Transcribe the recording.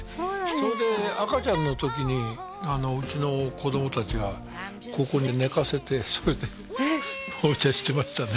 それで赤ちゃんの時にうちの子供達がここに寝かせてそれでお茶してましたね